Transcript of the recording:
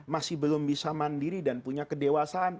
masih belum bisa mandiri dan punya kedewasaan